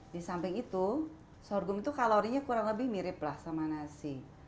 di samping itu sorghum itu kalorinya kurang lebih mirip lah sama nasi